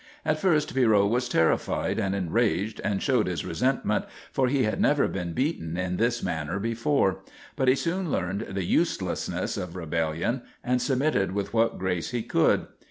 At first Pierrot was terrified and enraged and showed his resentment, for he had never been beaten in this manner before; but he soon learned the uselessness of rebellion and submitted with what grace he could.